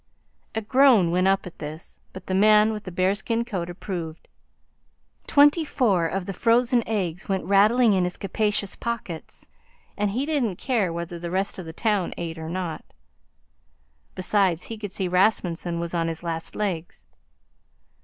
A groan went up at this, but the man with the bearskin coat approved. Twenty four of the frozen eggs went rattling in his capacious pockets, and he didn't care whether the rest of the town ate or not. Besides, he could see Rasmunsen was on his last legs.